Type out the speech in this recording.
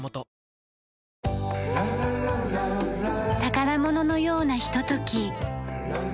宝物のようなひととき。